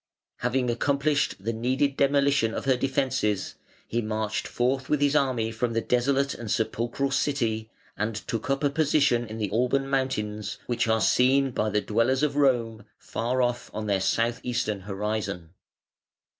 Having accomplished the needed demolition of her defences, he marched forth with his army from the desolate and sepulchral City and took up a position in the Alban Mountains, which are seen by the dwellers in Rome far off on their south eastern horizon.